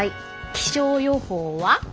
気象予報は？